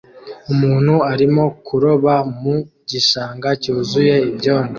Umuntu arimo kuroba mu gishanga cyuzuye ibyondo